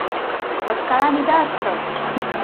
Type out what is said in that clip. — Мыскарам ида ыштыл!